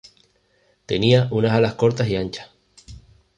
Tenía unas alas cortas y anchas.